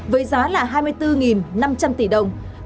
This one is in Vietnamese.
với giá là hai mươi bốn năm trăm linh tỷ đồng